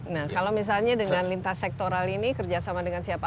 nah kalau misalnya dengan lintas sektoral ini kerjasama dengan siapa